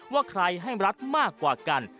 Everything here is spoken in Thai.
ว่าใครให้รัฐมากกว่ากัน